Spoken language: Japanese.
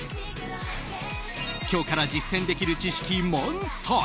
今日から実践できる知識満載。